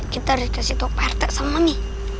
kita harus kasih tau prt sama mami